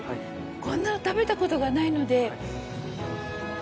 こんなの食べた事がないので。